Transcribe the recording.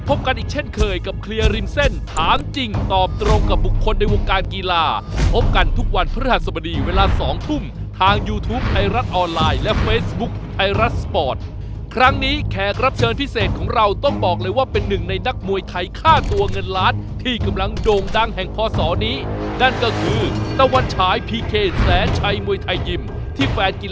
เพราะว่าใครยังคิดมาโชคกับผมผมไม่ยอมปล่อยให้มันได้ง่ายแน่